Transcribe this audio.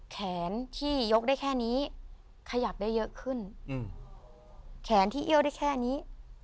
แขนที่ยกได้แค่นี้ขยับได้เยอะขึ้นอืมแขนที่เอี้ยวได้แค่นี้